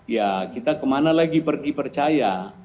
ya kita kemana lagi pergi percaya